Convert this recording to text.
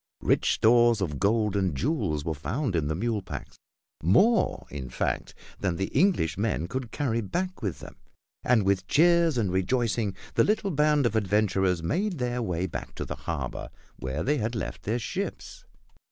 Rich stores of gold and jewels were found in the mule packs, more, in fact, than the English men could carry back with them, and with cheers and rejoicing, the little band of adventurers made their way back to the harbor where they had left their ships.